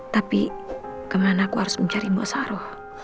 tapi kemana aku harus mencari mbok saro